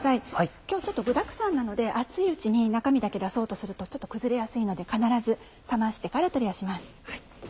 今日ちょっと具だくさんなので熱いうちに中身だけ出そうとするとちょっと崩れやすいので必ず冷ましてから取り出します。